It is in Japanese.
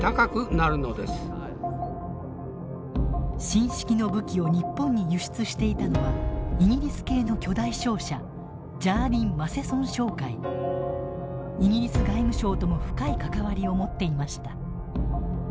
新式の武器を日本に輸出していたのはイギリス系の巨大商社イギリス外務省とも深い関わりを持っていました。